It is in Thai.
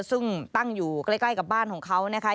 ซึ่งตั้งอยู่ใกล้กับบ้านของเขานะคะ